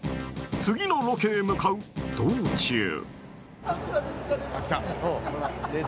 次のロケへ向かう道中。